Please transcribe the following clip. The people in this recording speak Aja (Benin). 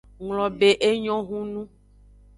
Nglobe enyo hunu.